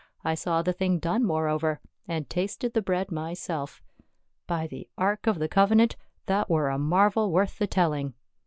I saw the thing done moreover, and tasted the bread myself By the ark of the covenant, that were a marvel worth the telling